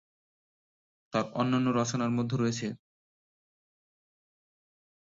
তার অন্যান্য রচনার মধ্যে রয়েছেঃ